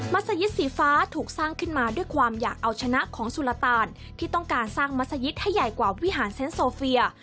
สยิตสีฟ้าถูกสร้างขึ้นมาด้วยความอยากเอาชนะของสุรตานที่ต้องการสร้างมัศยิตให้ใหญ่กว่าวิหารเซ็นต์โซเฟีย